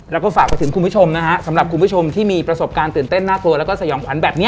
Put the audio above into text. แล้วก็ฝากไปถึงคุณผู้ชมนะฮะสำหรับคุณผู้ชมที่มีประสบการณ์ตื่นเต้นน่ากลัวแล้วก็สยองขวัญแบบนี้